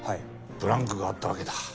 ブランクがあったわけだ。